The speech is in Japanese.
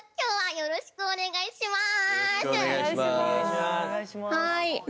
よろしくお願いします